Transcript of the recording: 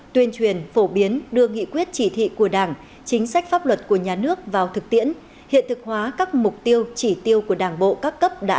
tuyên truyền phổ biến đưa nghị quyết chỉ thị của đảng chính sách pháp luật của nhà nước vào thực tiễn hiện thực hóa các mục tiêu chỉ tiêu của đảng bộ các cấp đã